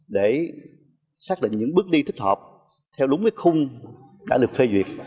để xác định những bước đi thích hợp theo đúng cái khung đã được phê duyệt